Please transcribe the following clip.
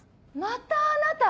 またあなた？